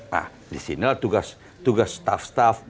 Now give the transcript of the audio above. nah di sini tugas staff staff